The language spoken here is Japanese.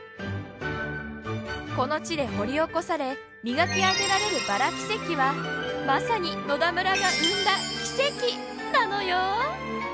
この地で掘り起こされ磨き上げられるバラ輝石はまさに野田村が生んだ奇跡！なのよ。